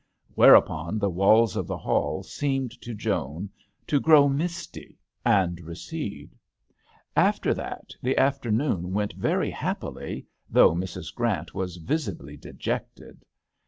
Whereupon the walls of the hall seemed to Joan to grow misty and recede. After that the afternoon went very happily, though Mrs. Grant was visibly dejected.